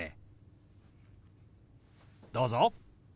どうぞ。